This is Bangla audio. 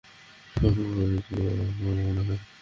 বুক থেকে মনে হচ্ছে একটা পাথর নেমে গেছে!